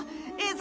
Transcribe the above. え